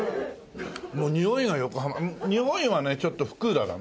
もうにおいが横浜においはねちょっと福浦だな。